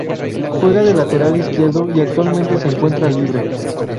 Juega de Lateral izquierdo y actualmente se encuentra libre.